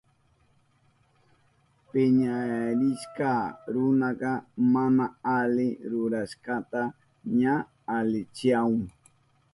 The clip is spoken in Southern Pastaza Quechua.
Piñarishka runaka mana ali rurashkanta ña alichahun.